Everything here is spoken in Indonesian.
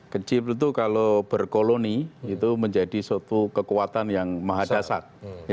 kecil itu kalau berkoloni itu menjadi suatu kekuatan yang maha dasar